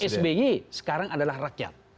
sby sekarang adalah rakyat